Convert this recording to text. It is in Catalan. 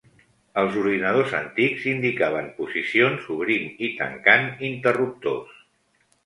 Els ordinadors antics indicaven posicions obrint i tancant interruptors.